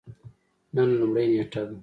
نن لومړۍ نیټه ده